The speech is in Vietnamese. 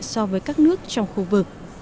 so với các nước trong khu vực